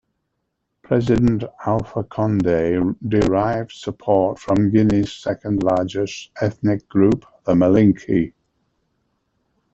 President Alpha Conde derives support from Guinea's second-largest ethnic group, the Malinke.